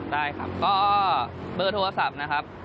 ได้ครับก็เบอร์โทรศัพท์นะครับ๐๘๗๘๒๒๖๒๒๗